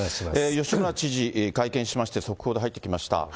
吉村知事、会見しまして、速報で入ってきました。